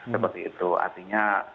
seperti itu artinya